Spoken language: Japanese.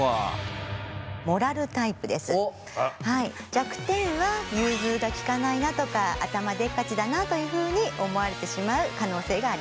弱点は融通が利かないなとか頭でっかちだなというふうに思われてしまう可能性があります。